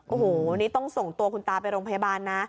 โอ้โหนี่ต้องส่งตัวคุณตาไปโรงพยาบาลนะ